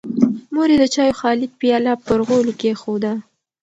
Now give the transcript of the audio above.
مور یې د چایو خالي پیاله پر غولي کېښوده.